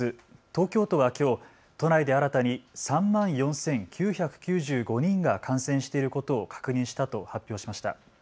東京都はきょう都内で新たに３万４９９５人が感染していることを確認したと発表しました。